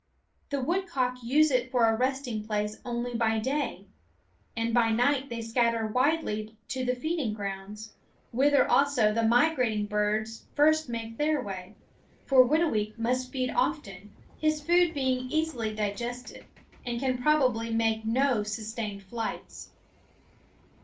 The woodcock use it for a resting place only by day, and by night they scatter widely to the feeding grounds, whither also the migrating birds first make their way; for Whitooweek must feed often, his food being easily digested, and can probably make no sustained flights.